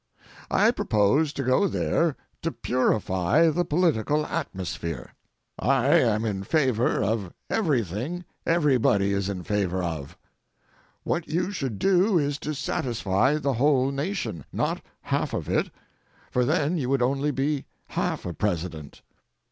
I propose to go there to purify the political atmosphere. I am in favor of everything everybody is in favor of. What you should do is to satisfy the whole nation, not half of it, for then you would only be half a President.